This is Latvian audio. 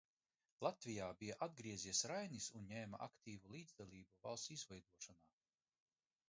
Latvijā bija atgriezies Rainis un ņēma aktīvu līdzdalību valsts izveidošanā.